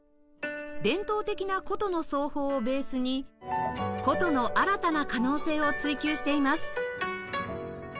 伝統的な箏の奏法をベースに箏の新たな可能性を追求しています